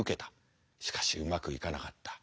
しかしうまくいかなかった。